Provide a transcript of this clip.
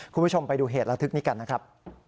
คุณผู้ชมไปดูเหตุระทึกนี้กันนะครับ